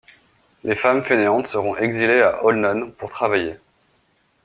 Les femmes fainéantes seront exilées à Holnon pour travailler.